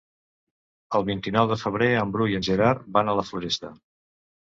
El vint-i-nou de febrer en Bru i en Gerard van a la Floresta.